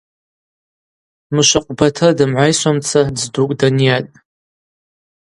Мышвакъвбатыр дымгӏвайсуамцара дздукӏ данйатӏ.